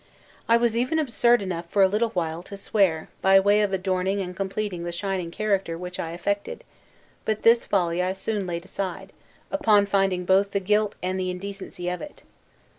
I was even absurd enough, for a little while, to swear, by way of adorning and completing the shining character which I affected; but this folly I soon laid aside, upon finding berth the guilt and the indecency of it.